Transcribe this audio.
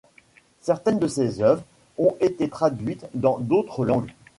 Certaines de ses œuvres ont été traduites dans d'autres langues.